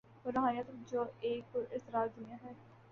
وہ روحانیت جو ایک پراسرار دنیا ہے۔